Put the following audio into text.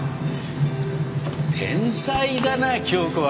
天才だな京子は。